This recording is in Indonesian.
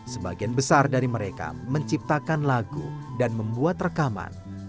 sebagian besar dari mereka menciptakan lagu dan membuat rekaman